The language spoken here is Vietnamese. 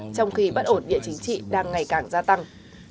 trong khi bất ổn địa chính trị đang ngày càng gia tăng